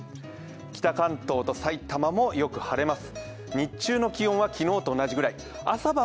北関東と埼玉もよく晴れます。